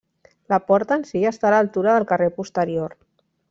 La porta en si està a l'altura del carrer posterior.